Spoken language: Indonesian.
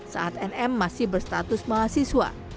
saat nm masih berstatus mahasiswa